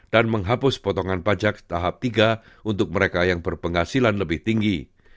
dan menghapus potongan pajak tahap tiga untuk mereka yang berpenghasilan lebih tinggi